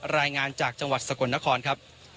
รายงานจากจังหวัดสกลนครครับ